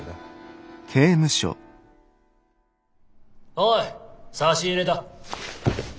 おい差し入れだ。